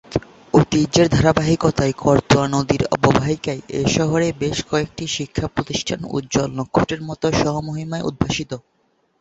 ঐতিহ্যের ধারাবাহিকতায় করতোয়া নদীর অববাহিকায় এ শহরে বেশ কয়েকটি শিক্ষা প্রতিষ্ঠান উজ্জ্বল নক্ষত্রের মত স্বমহিমায় উদ্ভাসিত।